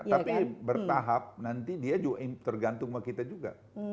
tapi bertahap nanti dia juga tergantung sama kita juga